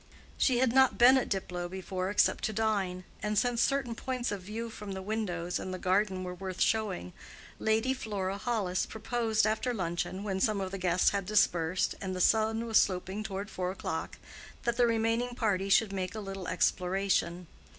She had not been at Diplow before except to dine; and since certain points of view from the windows and the garden were worth showing, Lady Flora Hollis proposed after luncheon, when some of the guests had dispersed, and the sun was sloping toward four o'clock, that the remaining party should make a little exploration.